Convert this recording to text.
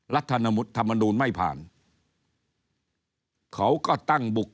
รัฐนมุตรธรรมนูนไม่ผ่าน